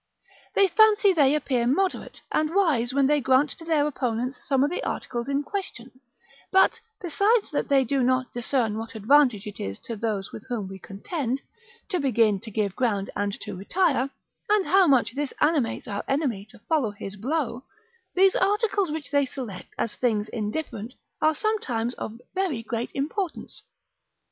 They fancy they appear moderate, and wise, when they grant to their opponents some of the articles in question; but, besides that they do not discern what advantage it is to those with whom we contend, to begin to give ground and to retire, and how much this animates our enemy to follow his blow: these articles which they select as things indifferent, are sometimes of very great importance.